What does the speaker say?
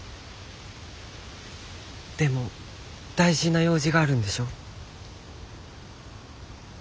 でも大事な用事があるんでしょ？